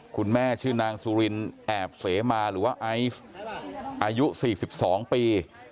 คุณแม่ชื่อนางสุรินแอบเสมาหรือว่าไอซ์อายุ๔๒ปี